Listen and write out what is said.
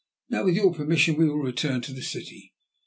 "Now, with your permission, we will return to the city."